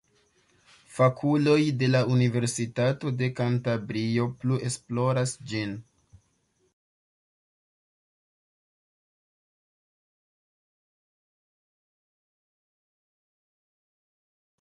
Fakuloj de la Universitato de Kantabrio plu esploras ĝin.